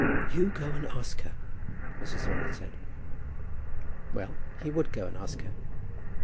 "You go and ask her," Mrs. Thorne had said. Well; he would go and ask her.